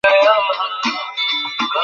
সেই তো আমাকে চাকরি পাইয়ে দিয়েছিল।